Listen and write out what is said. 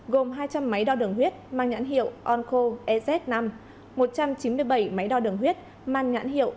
gồm hai trăm linh máy đo đường huyết mang nhãn hiệu onco ez năm một trăm chín mươi bảy máy đo đường huyết mang nhãn hiệu